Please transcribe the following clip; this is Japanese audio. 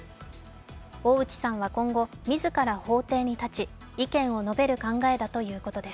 大内さんは今後、自ら法廷に立ち意見を述べる考えだということです。